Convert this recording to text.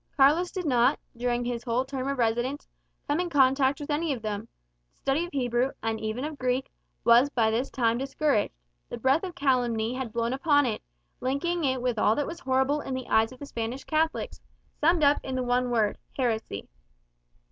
Carlos did not, during his whole term of residence, come in contact with any of them. The study of Hebrew, and even of Greek, was by this time discouraged; the breath of calumny had blown upon it, linking it with all that was horrible in the eyes of Spanish Catholics, summed up in the one word, heresy.